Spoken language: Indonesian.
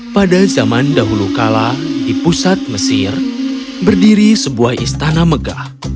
pada zaman dahulu kala di pusat mesir berdiri sebuah istana megah